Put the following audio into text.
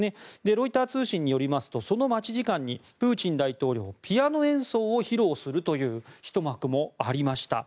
ロイター通信によりますとその待ち時間にプーチン大統領ピアノ演奏を披露するというひと幕もありました。